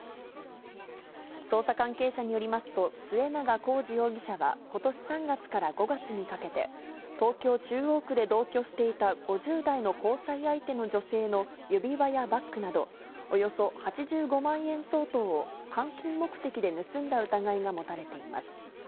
捜査関係者によりますと、末永浩二容疑者はことし３月から５月にかけて、東京・中央区で同居していた５０代の交際相手の女性の指輪やバッグなど、およそ８５万円相当を、換金目的で盗んだ疑いが持たれています。